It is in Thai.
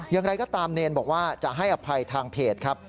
อย่างไรก็ตามเนรบอกว่าจะให้อภัยทางเพจครับ